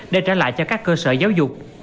để trả lại cho các cơ sở giáo dục